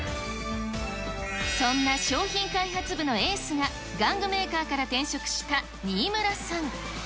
そんな商品開発部のエースが玩具メーカーから転職した新村さん。